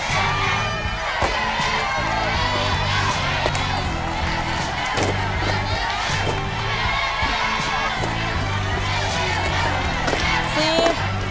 สี่